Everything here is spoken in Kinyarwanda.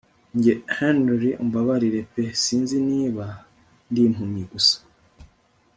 Njye Henry umbabarire pe sinzi niba ndimpumyi gusa